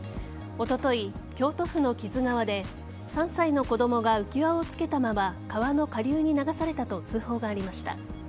おととい、京都府の木津川で３歳の子供が浮輪をつけたまま川の下流に流されたと通報がありました。